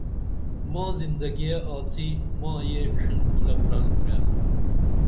ماں زندگیہ آڅی ماں یہ ڇِھن کُلہ پرل کُرے